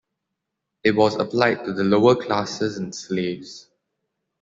It was applied to the lower classes and slaves.